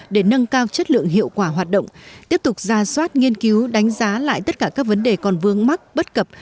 để nâng cao chất lượng hiệu quả hoạt động tiếp tục ra soát nghiên cứu đánh giá lại tất cả các vấn đề còn vương mắc bất cập